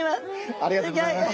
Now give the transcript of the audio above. ありがとうございます。